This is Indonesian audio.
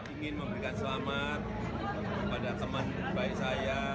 ingin memberikan selamat kepada teman baik saya